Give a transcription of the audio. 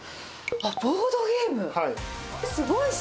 あっ、ボードゲーム？